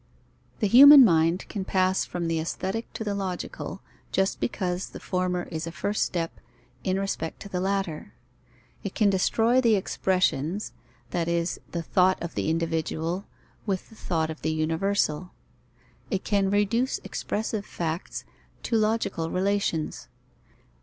The human mind can pass from the aesthetic to the logical, just because the former is a first step, in respect to the latter. It can destroy the expressions, that is, the thought of the individual with the thought of the universal. It can reduce expressive facts to logical relations.